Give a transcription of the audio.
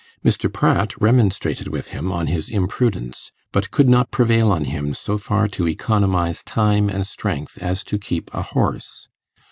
Mr. Pratt remonstrated with him on his imprudence, but could not prevail on him so far to economize time and strength as to keep a horse.